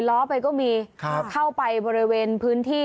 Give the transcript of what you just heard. ล้อไปก็มีเข้าไปบริเวณพื้นที่